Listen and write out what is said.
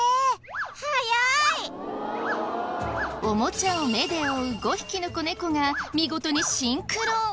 おもちゃを目で追う５匹の子猫が見事にシンクロ。